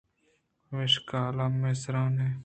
پمیشا لہم لہم ءَ سُرَانیں